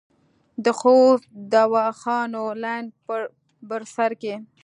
د خوست دواخانو لین بر سر کې